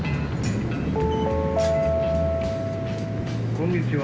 「こんにちは。